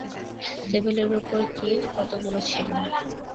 টেবিলের উপরেও কী কতকগুলি ছিল।